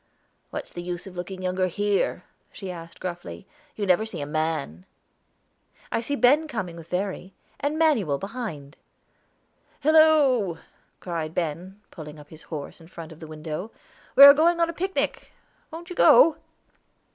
"What's the use of looking younger here?" she asked gruffly. "You never see a man." "I see Ben coming with Verry, and Manuel behind." "Hillo!" cried Ben, pulling up his horses in front of the window. "We are going on a picnic. Wont you go?"